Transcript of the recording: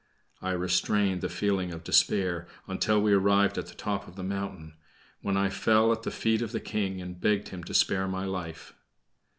I restrained the feeling of despair until we arrived at the top of the mountain, when I fell at the feet of the King and begged him to spare my life.